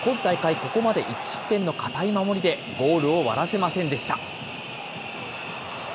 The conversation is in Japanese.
ここまで１失点の堅い守りで、ゴールを割らせませんでした。